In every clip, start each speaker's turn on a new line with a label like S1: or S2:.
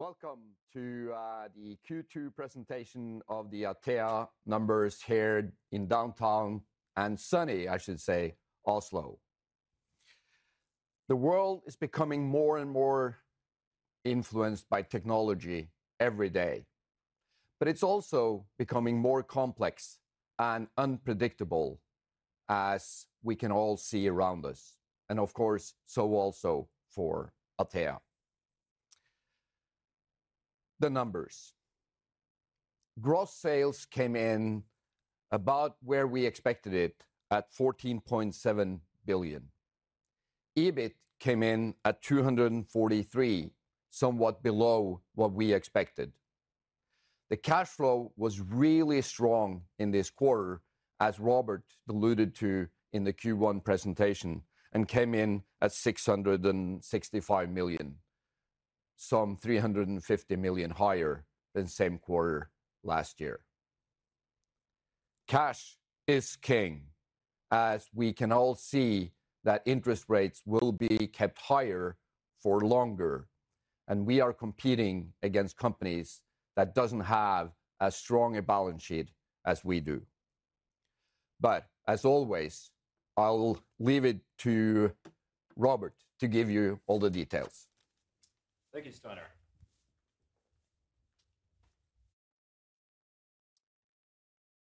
S1: Welcome to the Q2 Presentation of the Atea numbers here in downtown, and sunny, I should say, Oslo. The world is becoming more and more influenced by technology every day, but it's also becoming more complex and unpredictable as we can all see around us, and of course, so also for Atea. The numbers. Gross sales came in about where we expected it, at 14.7 billion. EBIT came in at 243 million, somewhat below what we expected. The cash flow was really strong in this quarter, as Robert alluded to in the Q1 presentation, and came in at 665 million, some 350 million higher than same quarter last year. Cash is king, as we can all see that interest rates will be kept higher for longer, and we are competing against companies that doesn't have as strong a balance sheet as we do. But, as always, I will leave it to Robert to give you all the details.
S2: Thank you, Steinar.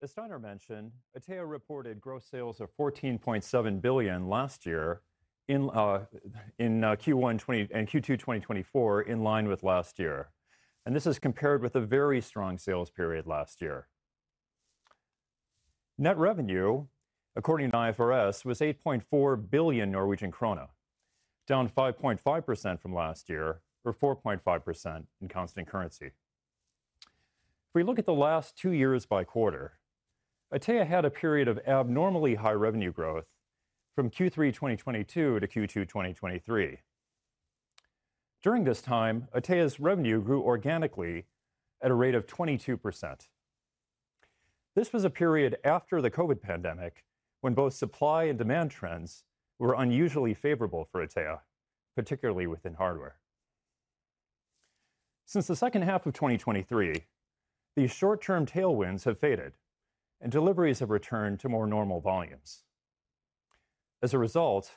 S2: As Steinar mentioned, Atea reported gross sales of 14.7 billion last year in Q2 2024, in line with last year, and this is compared with a very strong sales period last year. Net revenue, according to IFRS, was 8.4 billion Norwegian krone, down 5.5% from last year or 4.5% in constant currency. If we look at the last two years by quarter, Atea had a period of abnormally high revenue growth from Q3 2022 to Q2 2023. During this time, Atea's revenue grew organically at a rate of 22%. This was a period after the COVID pandemic, when both supply and demand trends were unusually favorable for Atea, particularly within hardware. Since the second half of 2023, these short-term tailwinds have faded, and deliveries have returned to more normal volumes. As a result,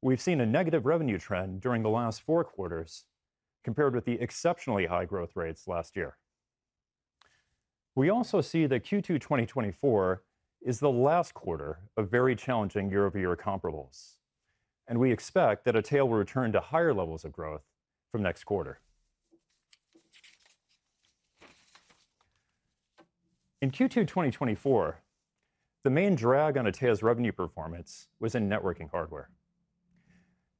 S2: we've seen a negative revenue trend during the last four quarters compared with the exceptionally high growth rates last year. We also see that Q2 2024 is the last quarter of very challenging year-over-year comparables, and we expect that Atea will return to higher levels of growth from next quarter. In Q2 2024, the main drag on Atea's revenue performance was in networking hardware.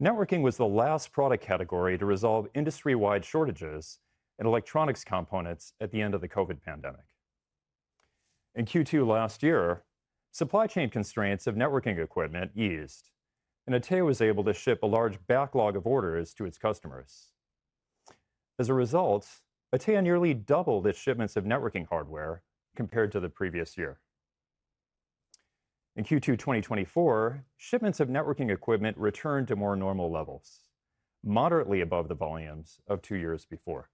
S2: Networking was the last product category to resolve industry-wide shortages in electronics components at the end of the COVID pandemic. In Q2 last year, supply chain constraints of networking equipment eased, and Atea was able to ship a large backlog of orders to its customers. As a result, Atea nearly doubled its shipments of networking hardware compared to the previous year. In Q2 2024, shipments of networking equipment returned to more normal levels, moderately above the volumes of two years before.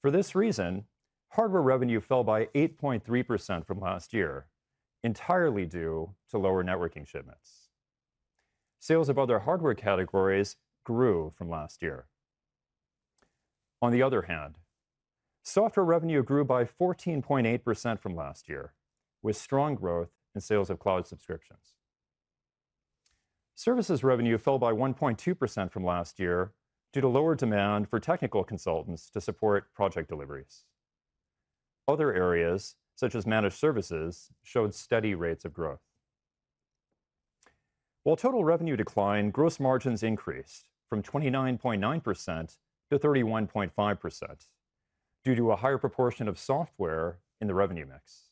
S2: For this reason, hardware revenue fell by 8.3% from last year, entirely due to lower networking shipments. Sales of other hardware categories grew from last year. On the other hand, software revenue grew by 14.8% from last year, with strong growth in sales of cloud subscriptions. Services revenue fell by 1.2% from last year due to lower demand for technical consultants to support project deliveries. Other areas, such as managed services, showed steady rates of growth. While total revenue declined, gross margins increased from 29.9% to 31.5% due to a higher proportion of software in the revenue mix.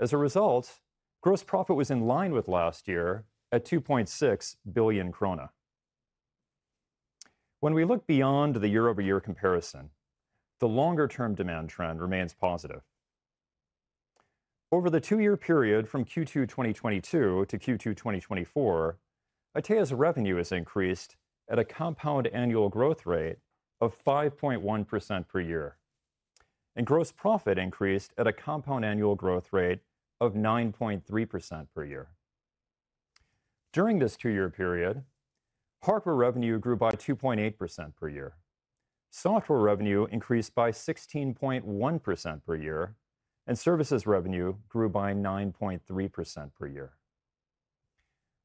S2: As a result, gross profit was in line with last year at 2.6 billion krone. When we look beyond the year-over-year comparison, the longer-term demand trend remains positive. Over the two-year period from Q2 2022 to Q2 2024, Atea's revenue has increased at a compound annual growth rate of 5.1% per year, and gross profit increased at a compound annual growth rate of 9.3% per year. During this two-year period, hardware revenue grew by 2.8% per year. Software revenue increased by 16.1% per year, and services revenue grew by 9.3% per year.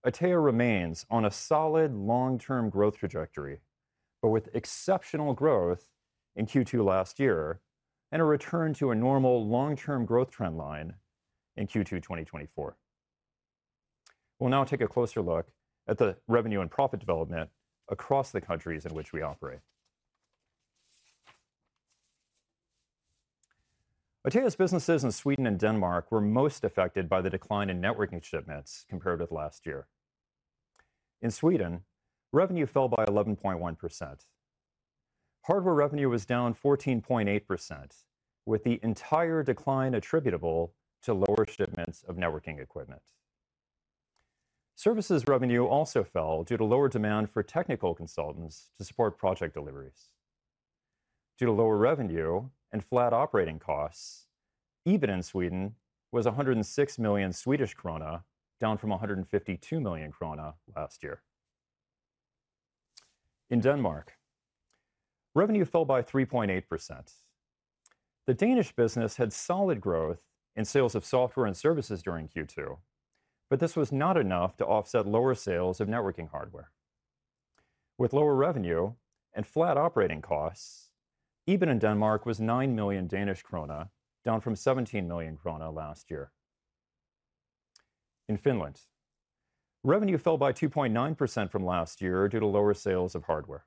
S2: Atea remains on a solid long-term growth trajectory, but with exceptional growth in Q2 last year and a return to a normal long-term growth trend line in Q2 2024. We'll now take a closer look at the revenue and profit development across the countries in which we operate. Atea's businesses in Sweden and Denmark were most affected by the decline in networking shipments compared with last year. In Sweden, revenue fell by 11.1%. Hardware revenue was down 14.8%, with the entire decline attributable to lower shipments of networking equipment. Services revenue also fell due to lower demand for technical consultants to support project deliveries. Due to lower revenue and flat operating costs, EBIT in Sweden was 106 million Swedish krona, down from 152 million krona last year. In Denmark, revenue fell by 3.8%. The Danish business had solid growth in sales of software and services during Q2, but this was not enough to offset lower sales of networking hardware. With lower revenue and flat operating costs, EBIT in Denmark was 9 million Danish krone, down from 17 million krone last year. In Finland, revenue fell by 2.9% from last year due to lower sales of hardware.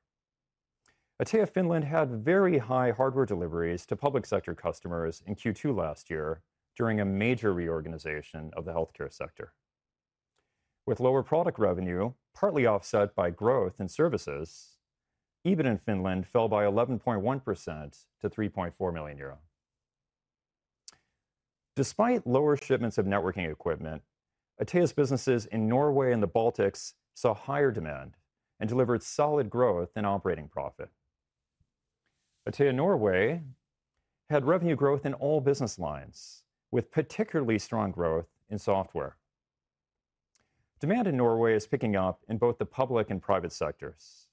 S2: Atea Finland had very high hardware deliveries to public sector customers in Q2 last year during a major reorganization of the healthcare sector. With lower product revenue, partly offset by growth in services, EBIT in Finland fell by 11.1% to 3.4 million euro. Despite lower shipments of networking equipment, Atea's businesses in Norway and the Baltics saw higher demand and delivered solid growth in operating profit. Atea Norway had revenue growth in all business lines, with particularly strong growth in software. Demand in Norway is picking up in both the public and private sectors.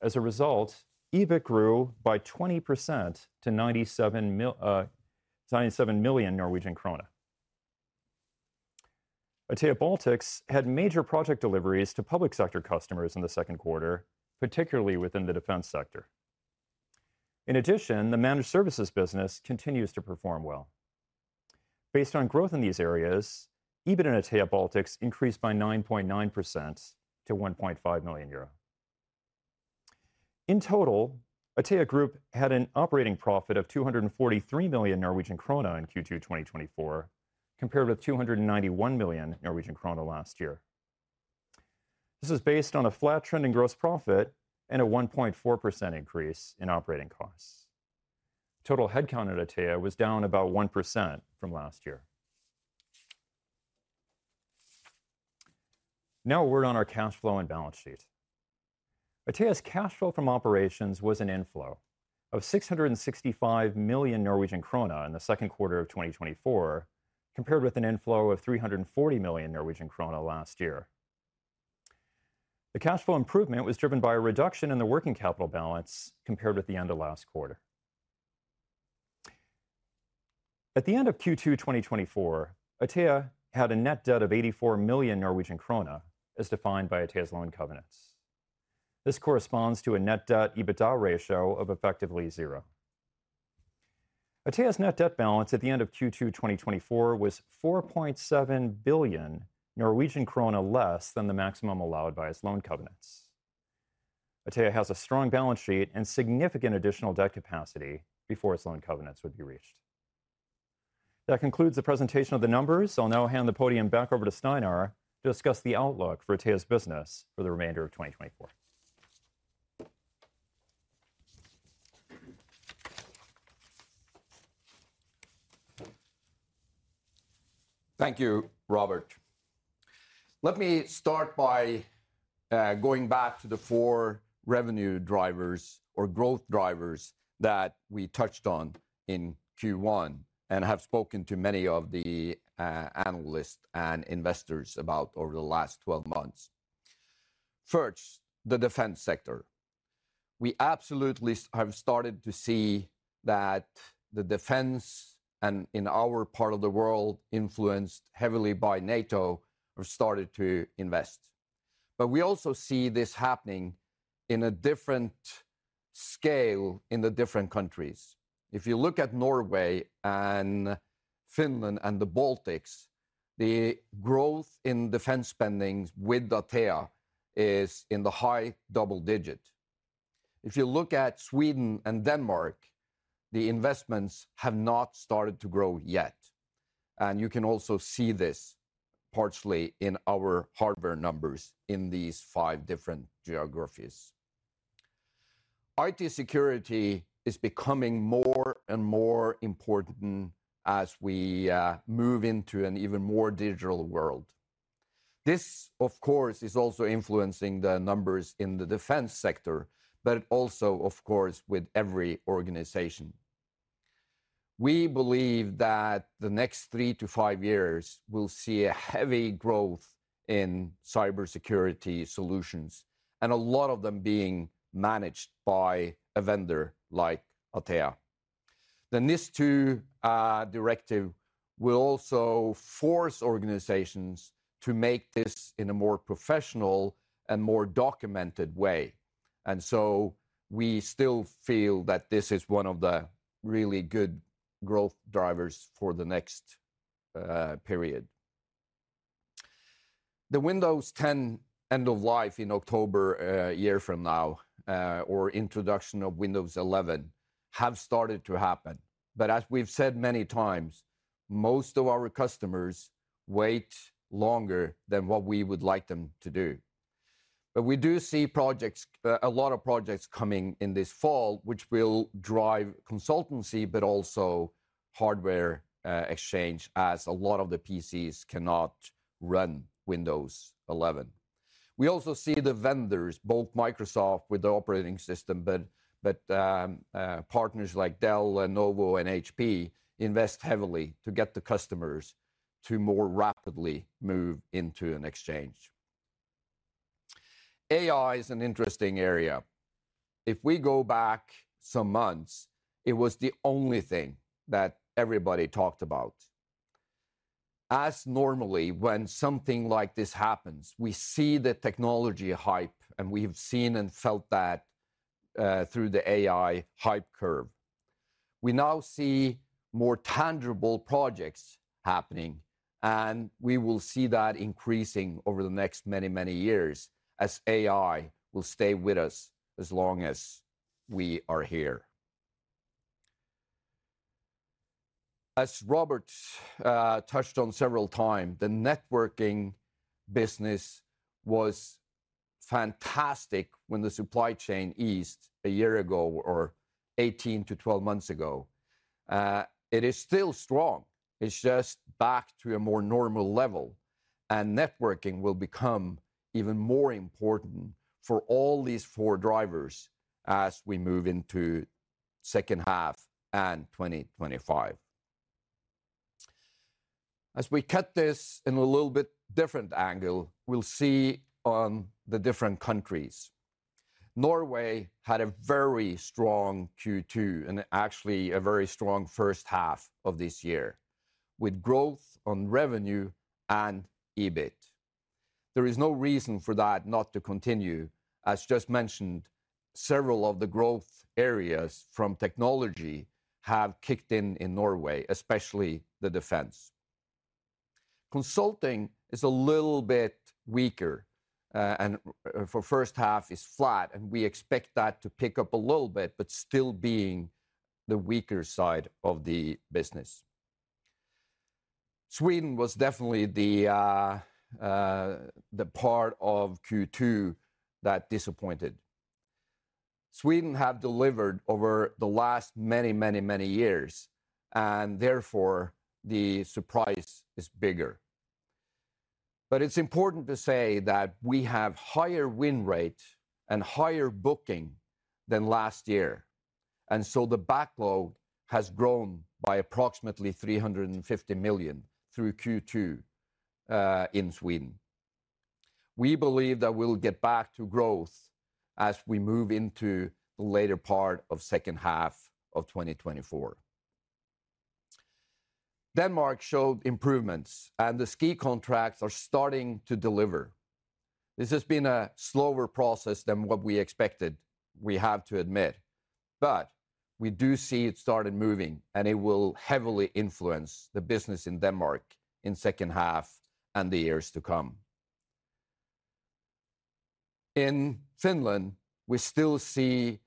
S2: As a result, EBIT grew by 20% to NOK 97 million. Atea Baltics had major project deliveries to public sector customers in the second quarter, particularly within the defense sector. In addition, the managed services business continues to perform well. Based on growth in these areas, EBIT in Atea Baltics increased by 9.9% to 1.5 million euro. In total, Atea Group had an operating profit of 243 million Norwegian krone in Q2 2024, compared with 291 million Norwegian krone last year. This is based on a flat trending gross profit and a 1.4% increase in operating costs. Total headcount at Atea was down about 1% from last year. Now, a word on our cash flow and balance sheet. Atea's cash flow from operations was an inflow of 665 million Norwegian krone in the second quarter of 2024, compared with an inflow of 340 million Norwegian krone last year. The cash flow improvement was driven by a reduction in the working capital balance compared with the end of last quarter. At the end of Q2 2024, Atea had a net debt of 84 million Norwegian krone, as defined by Atea's loan covenants. This corresponds to a net debt/EBITDA ratio of effectively zero. Atea's net debt balance at the end of Q2 2024 was 4.7 billion Norwegian krone less than the maximum allowed by its loan covenants. Atea has a strong balance sheet and significant additional debt capacity before its loan covenants would be reached. That concludes the presentation of the numbers. I'll now hand the podium back over to Steinar to discuss the outlook for Atea's business for the remainder of 2024.
S1: Thank you, Robert. Let me start by going back to the four revenue drivers or growth drivers that we touched on in Q1 and have spoken to many of the analysts and investors about over the last 12 months. First, the defense sector. We absolutely have started to see that the defense, and in our part of the world, influenced heavily by NATO, have started to invest. But we also see this happening in a different scale in the different countries. If you look at Norway and Finland and the Baltics, the growth in defense spendings with Atea is in the high double digit. If you look at Sweden and Denmark, the investments have not started to grow yet, and you can also see this partially in our hardware numbers in these five different geographies. IT security is becoming more and more important as we move into an even more digital world. This, of course, is also influencing the numbers in the defense sector, but also, of course, with every organization. We believe that the next 3-5 years will see a heavy growth in cybersecurity solutions, and a lot of them being managed by a vendor like Atea. Then these two directive will also force organizations to make this in a more professional and more documented way, and so we still feel that this is one of the really good growth drivers for the next period. The Windows 10 end of life in October a year from now or introduction of Windows 11 have started to happen. But as we've said many times, most of our customers wait longer than what we would like them to do. But we do see projects, a lot of projects coming in this fall, which will drive consultancy, but also hardware exchange, as a lot of the PCs cannot run Windows 11. We also see the vendors, both Microsoft with the operating system, but partners like Dell, Lenovo, and HP invest heavily to get the customers to more rapidly move into an exchange. AI is an interesting area. If we go back some months, it was the only thing that everybody talked about. As normally, when something like this happens, we see the technology hype, and we have seen and felt that through the AI hype curve. We now see more tangible projects happening, and we will see that increasing over the next many, many years as AI will stay with us as long as we are here. As Robert touched on several times, the networking business was fantastic when the supply chain eased a year ago or 18-12 months ago. It is still strong. It's just back to a more normal level, and networking will become even more important for all these four drivers as we move into second half and 2025. As we cut this in a little bit different angle, we'll see on the different countries. Norway had a very strong Q2, and actually a very strong first half of this year, with growth on revenue and EBIT. There is no reason for that not to continue. As just mentioned, several of the growth areas from technology have kicked in in Norway, especially the defense. Consulting is a little bit weaker, and for first half is flat, and we expect that to pick up a little bit, but still being the weaker side of the business. Sweden was definitely the part of Q2 that disappointed. Sweden have delivered over the last many, many, many years, and therefore, the surprise is bigger. But it's important to say that we have higher win rate and higher booking than last year, and so the backlog has grown by approximately 350 million through Q2 in Sweden. We believe that we'll get back to growth as we move into the later part of second half of 2024. Denmark showed improvements, and the SKI contracts are starting to deliver. This has been a slower process than what we expected, we have to admit, but we do see it started moving, and it will heavily influence the business in Denmark in second half and the years to come. In Finland, we still see,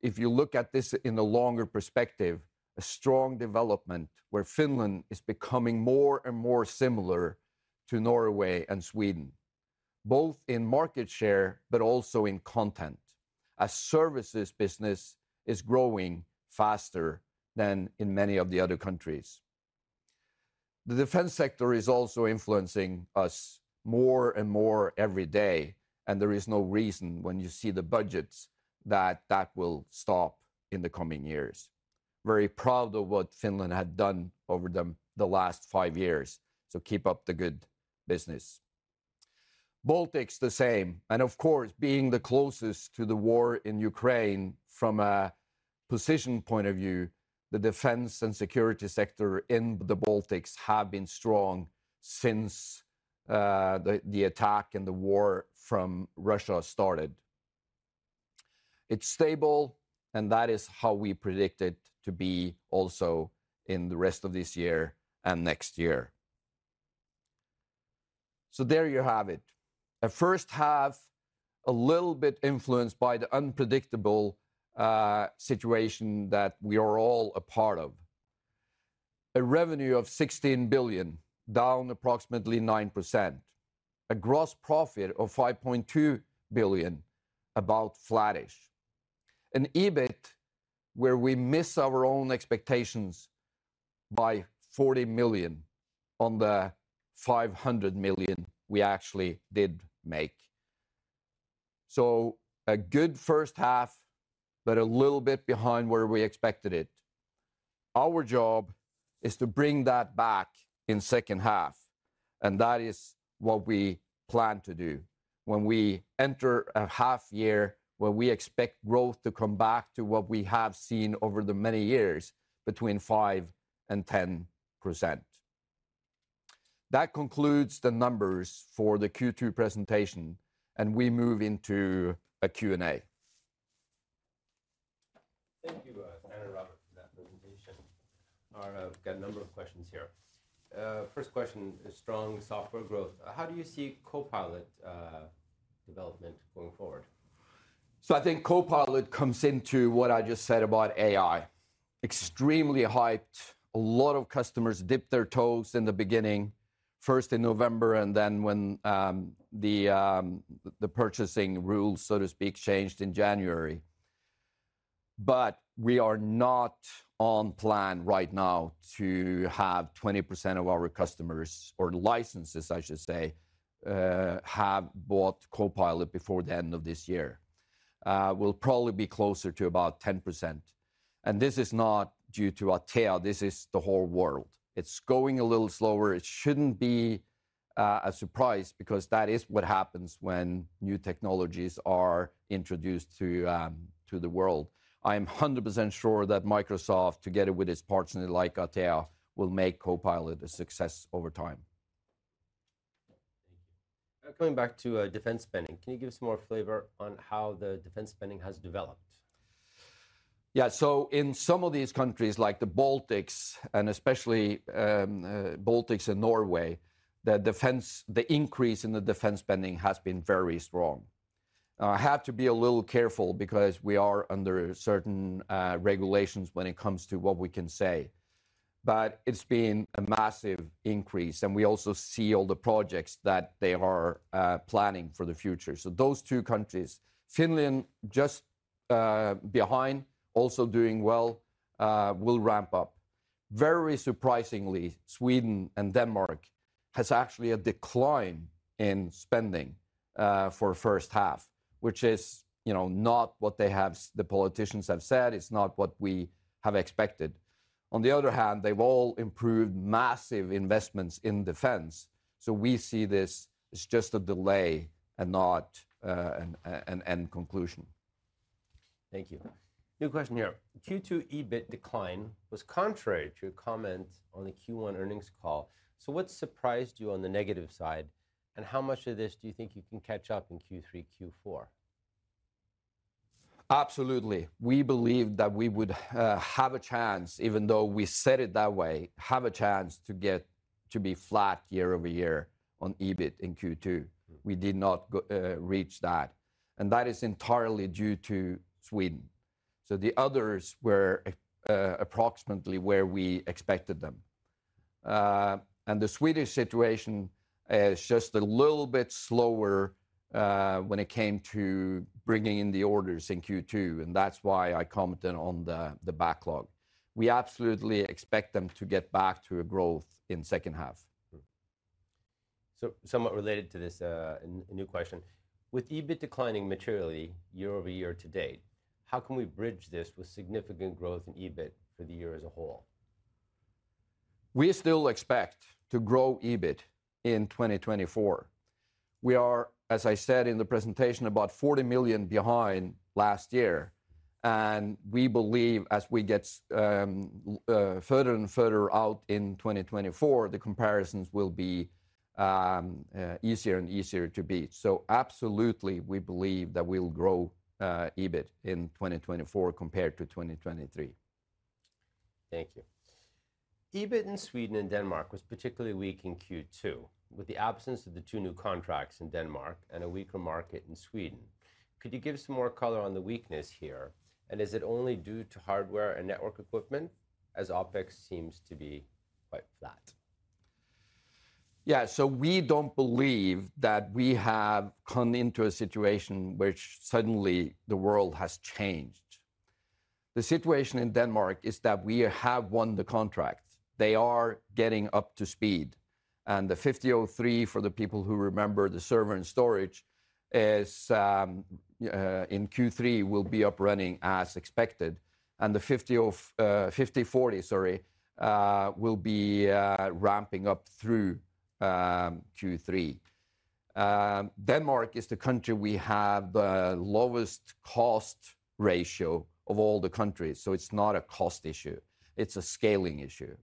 S1: if you look at this in a longer perspective, a strong development where Finland is becoming more and more similar to Norway and Sweden, both in market share but also in content, as services business is growing faster than in many of the other countries. The defense sector is also influencing us more and more every day, and there is no reason, when you see the budgets, that that will stop in the coming years. Very proud of what Finland had done over the last five years, so keep up the good business. Baltics, the same, and of course, being the closest to the war in Ukraine from a position point of view, the defense and security sector in the Baltics have been strong since the attack and the war from Russia started. It's stable, and that is how we predict it to be also in the rest of this year and next year. So there you have it. A first half, a little bit influenced by the unpredictable situation that we are all a part of. A revenue of 16 billion, down approximately 9%. A gross profit of 5.2 billion, about flattish. An EBIT, where we miss our own expectations by 40 million on the 500 million we actually did make. So a good first half, but a little bit behind where we expected it. Our job is to bring that back in second half, and that is what we plan to do when we enter a half year, where we expect growth to come back to what we have seen over the many years, between 5% and 10%. That concludes the numbers for the Q2 presentation, and we move into a Q&A.
S3: Thank you, Steinar and Robert, for that presentation. I've got a number of questions here. First question is strong software growth. How do you see Copilot development going forward?
S1: So I think Copilot comes into what I just said about AI. Extremely hyped. A lot of customers dipped their toes in the beginning, first in November, and then when the purchasing rules, so to speak, changed in January. But we are not on plan right now to have 20% of our customers, or licenses I should say, have bought Copilot before the end of this year. We'll probably be closer to about 10%, and this is not due to Atea, this is the whole world. It's going a little slower. It shouldn't be a surprise, because that is what happens when new technologies are introduced to the world. I'm 100% sure that Microsoft, together with its partners like Atea, will make Copilot a success over time.
S3: Thank you. Going back to defense spending, can you give us more flavor on how the defense spending has developed?
S1: Yeah, so in some of these countries, like the Baltics, and especially Baltics and Norway, the increase in the defense spending has been very strong. I have to be a little careful because we are under certain regulations when it comes to what we can say, but it's been a massive increase, and we also see all the projects that they are planning for the future. So those two countries. Finland, just behind, also doing well, will ramp up. Very surprisingly, Sweden and Denmark has actually a decline in spending for first half, which is, you know, not what the politicians have said. It's not what we have expected. On the other hand, they've all improved massive investments in defense, so we see this as just a delay and not an end conclusion.
S3: Thank you. New question here. Q2 EBIT decline was contrary to your comment on the Q1 earnings call. So what surprised you on the negative side, and how much of this do you think you can catch up in Q3, Q4?
S1: Absolutely. We believed that we would have a chance, even though we said it that way, have a chance to get to be flat year-over-year on EBIT in Q2. We did not reach that, and that is entirely due to Sweden. So the others were approximately where we expected them. And the Swedish situation is just a little bit slower when it came to bringing in the orders in Q2, and that's why I commented on the backlog. We absolutely expect them to get back to a growth in second half.
S3: Somewhat related to this, a new question: with EBIT declining materially year-over-year to date, how can we bridge this with significant growth in EBIT for the year as a whole?
S1: We still expect to grow EBIT in 2024. We are, as I said in the presentation, about 40 million behind last year, and we believe as we get further and further out in 2024, the comparisons will be easier and easier to beat. Absolutely, we believe that we'll grow EBIT in 2024 compared to 2023.
S3: Thank you. EBIT in Sweden and Denmark was particularly weak in Q2. With the absence of the two new contracts in Denmark and a weaker market in Sweden, could you give some more color on the weakness here, and is it only due to hardware and network equipment, as OpEx seems to be quite flat?
S1: Yeah, so we don't believe that we have come into a situation which suddenly the world has changed. The situation in Denmark is that we have won the contracts. They are getting up to speed, and the 50.03, for the people who remember the server and storage, is, in Q3 will be up running as expected, and the 50.40, sorry, will be, ramping up through, Q3. Denmark is the country we have the lowest cost ratio of all the countries, so it's not a cost issue, it's a scaling issue.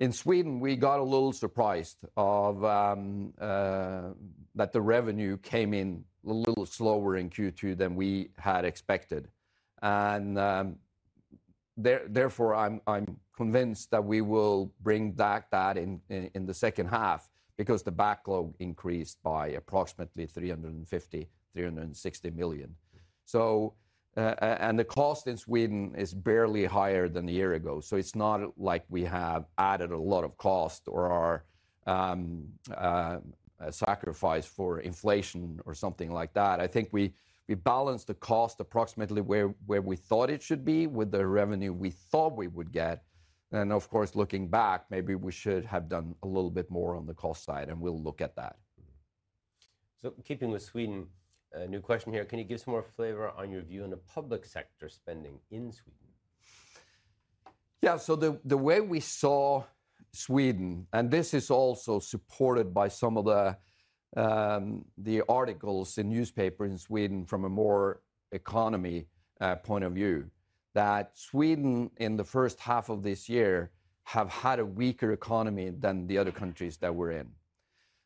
S1: In Sweden, we got a little surprised of that the revenue came in a little slower in Q2 than we had expected, and therefore, I'm convinced that we will bring back that in the second half because the backlog increased by approximatelySEK 350-360 million. So, and the cost in Sweden is barely higher than the year ago, so it's not like we have added a lot of cost or are sacrifice for inflation or something like that. I think we balanced the cost approximately where we thought it should be with the revenue we thought we would get, and of course, looking back, maybe we should have done a little bit more on the cost side, and we'll look at that.
S3: Keeping with Sweden, a new question here. Can you give some more flavor on your view on the public sector spending in Sweden?
S1: Yeah, so the way we saw Sweden, and this is also supported by some of the articles in newspaper in Sweden from a more economy point of view, that Sweden, in the first half of this year, have had a weaker economy than the other countries that we're in.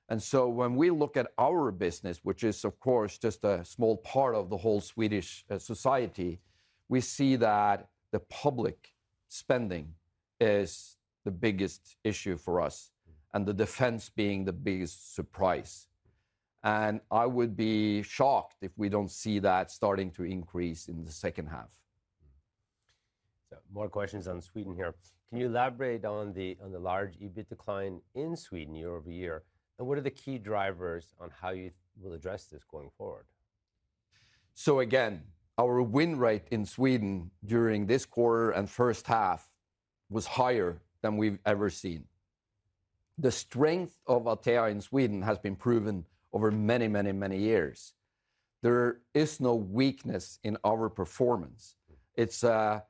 S1: And so when we look at our business, which is of course just a small part of the whole Swedish society, we see that the public spending is the biggest issue for us, and the defense being the biggest surprise. And I would be shocked if we don't see that starting to increase in the second half.
S3: So more questions on Sweden here. Can you elaborate on the large EBIT decline in Sweden year-over-year, and what are the key drivers on how you will address this going forward?
S1: So again, our win rate in Sweden during this quarter and first half was higher than we've ever seen. The strength of Atea in Sweden has been proven over many, many, many years. There is no weakness in our performance. It's a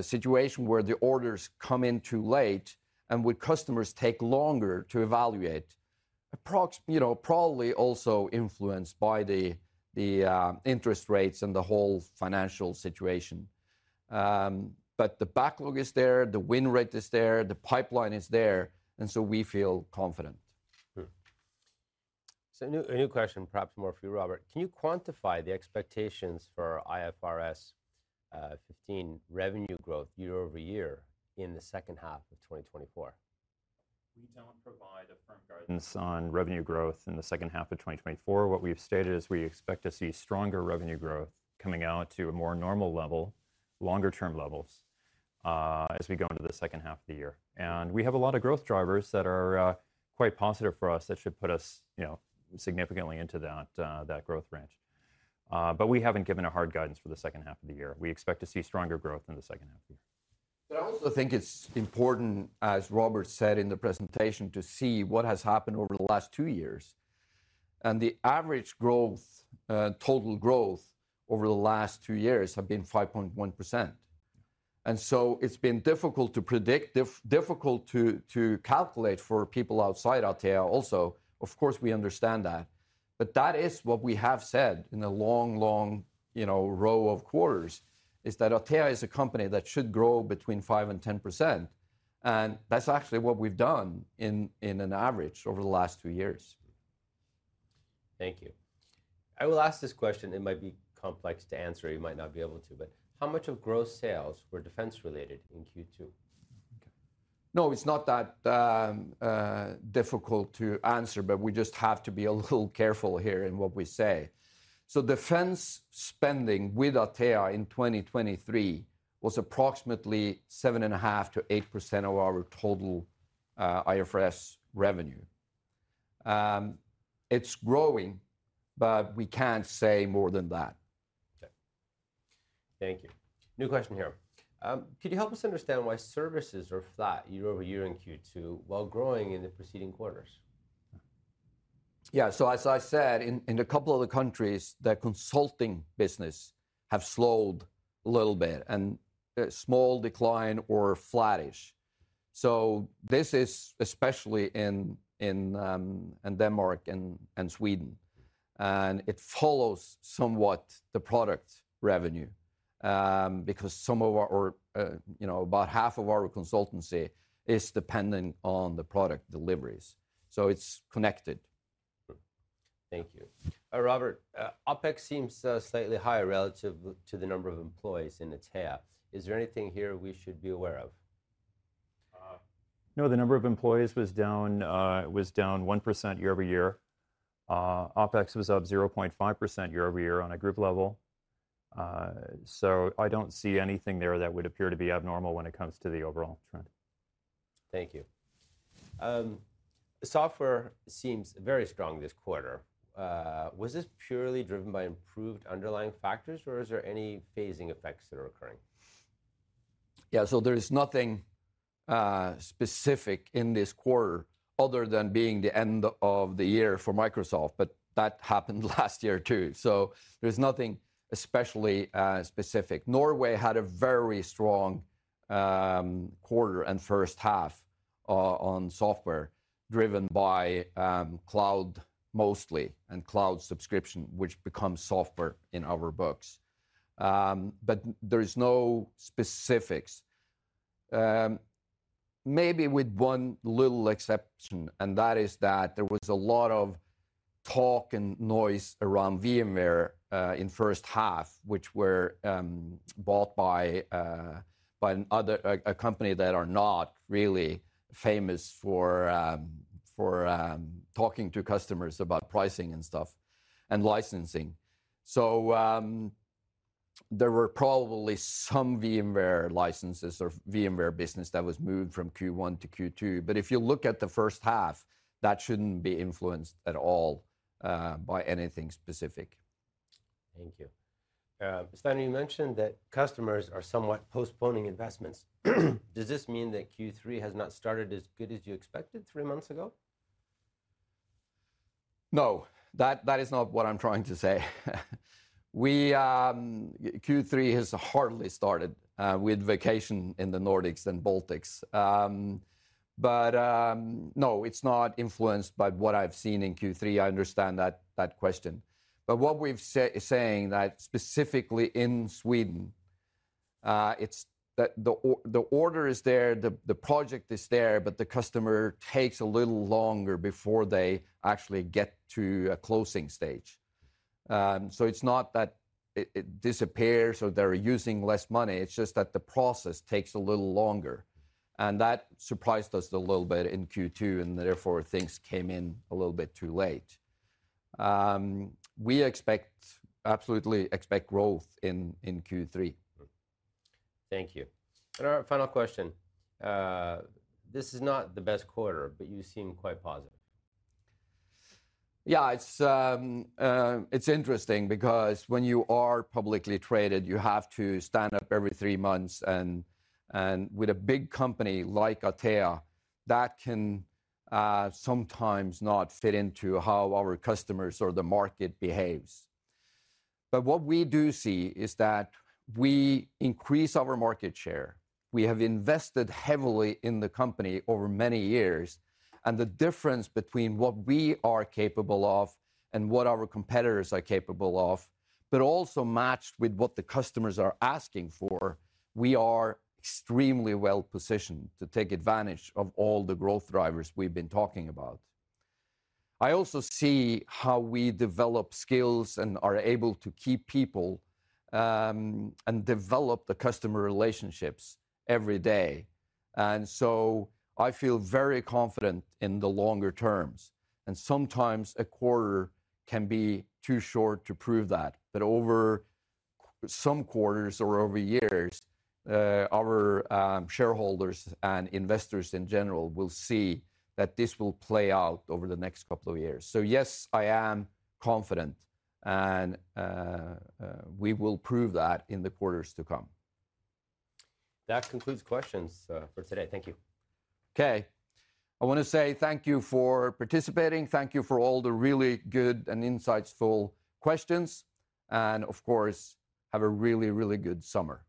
S1: situation where the orders come in too late, and where customers take longer to evaluate. You know, probably also influenced by the interest rates and the whole financial situation. But the backlog is there, the win rate is there, the pipeline is there, and so we feel confident.
S3: So a new question, perhaps more for you, Robert. Can you quantify the expectations for IFRS 15 revenue growth year-over-year in the second half of 2024?
S2: We don't provide a firm guidance on revenue growth in the second half of 2024. What we've stated is we expect to see stronger revenue growth coming out to a more normal level, longer-term levels, as we go into the second half of the year. And we have a lot of growth drivers that are, quite positive for us, that should put us, you know, significantly into that, that growth range. But we haven't given a hard guidance for the second half of the year. We expect to see stronger growth in the second half of the year.
S1: But I also think it's important, as Robert said in the presentation, to see what has happened over the last two years, and the average growth, total growth over the last two years have been 5.1%. And so it's been difficult to predict, difficult to calculate for people outside Atea also. Of course, we understand that. But that is what we have said in a long, long, you know, row of quarters, is that Atea is a company that should grow between 5%-10%, and that's actually what we've done in, in an average over the last two years.
S3: Thank you. I will ask this question. It might be complex to answer, you might not be able to, but how much of gross sales were defense-related in Q2?
S1: Okay. No, it's not that difficult to answer, but we just have to be a little careful here in what we say. So defense spending with Atea in 2023 was approximately 7.5%-8% of our total IFRS revenue. It's growing, but we can't say more than that.
S3: Okay. Thank you. New question here. Could you help us understand why services are flat year-over-year in Q2, while growing in the preceding quarters?
S1: Yeah, so as I said, in a couple of the countries, the consulting business have slowed a little bit, and a small decline or flattish. So this is especially in Denmark and Sweden, and it follows somewhat the product revenue, because some of our, you know, about half of our consultancy is dependent on the product deliveries, so it's connected.
S3: Thank you. Robert. OpEx seems slightly higher relative to the number of employees in the Atea. Is there anything here we should be aware of?
S2: No, the number of employees was down, was down 1% year-over-year. OpEx was up 0.5% year-over-year on a group level. So I don't see anything there that would appear to be abnormal when it comes to the overall trend.
S3: Thank you. Software seems very strong this quarter. Was this purely driven by improved underlying factors, or is there any phasing effects that are occurring?
S1: Yeah, so there is nothing specific in this quarter other than being the end of the year for Microsoft, but that happened last year, too. So there's nothing especially specific. Norway had a very strong quarter and first half on software, driven by cloud mostly, and cloud subscription, which becomes software in our books. But there is no specifics. Maybe with one little exception, and that is that there was a lot of talk and noise around VMware in first half, which were bought by another company that are not really famous for talking to customers about pricing and stuff, and licensing. So, there were probably some VMware licenses or VMware business that was moved from Q1 to Q2, but if you look at the first half, that shouldn't be influenced at all, by anything specific.
S3: Thank you. Steinar, you mentioned that customers are somewhat postponing investments. Does this mean that Q3 has not started as good as you expected three months ago?
S1: No, that is not what I'm trying to say. We, Q3 has hardly started, with vacation in the Nordics and Baltics. But no, it's not influenced by what I've seen in Q3. I understand that question, but what we've saying, that specifically in Sweden, it's that the order is there, the project is there, but the customer takes a little longer before they actually get to a closing stage. So it's not that it disappears or they're using less money, it's just that the process takes a little longer, and that surprised us a little bit in Q2, and therefore, things came in a little bit too late. We expect, absolutely expect growth in Q3.
S3: Thank you. Our final question. This is not the best quarter, but you seem quite positive.
S1: Yeah, it's interesting because when you are publicly traded, you have to stand up every three months, and with a big company like Atea, that can sometimes not fit into how our customers or the market behaves. But what we do see is that we increase our market share. We have invested heavily in the company over many years, and the difference between what we are capable of and what our competitors are capable of, but also matched with what the customers are asking for, we are extremely well-positioned to take advantage of all the growth drivers we've been talking about. I also see how we develop skills and are able to keep people, and develop the customer relationships every day, and so I feel very confident in the longer terms, and sometimes a quarter can be too short to prove that. But over some quarters or over years, our shareholders and investors in general will see that this will play out over the next couple of years. So, yes, I am confident, and we will prove that in the quarters to come.
S3: That concludes questions for today. Thank you.
S1: Okay. I wanna say thank you for participating. Thank you for all the really good and insightful questions, and of course, have a really, really good summer.